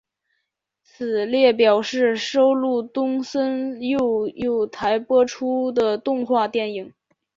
此列表示收录东森幼幼台播出过的动画电影。